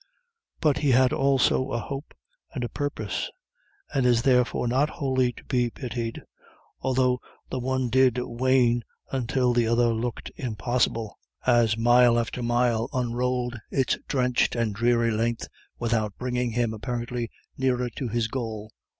But he had also a hope and a purpose, and is therefore not wholly to be pitied, although the one did wane until the other looked impossible, as mile after mile unrolled its drenched and dreary length without bringing him apparently nearer to his goal.